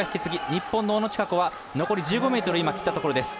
日本の小野智華子は残り１５ｍを切ったところです。